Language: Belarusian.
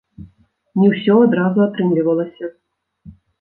Не ўсё адразу атрымлівалася.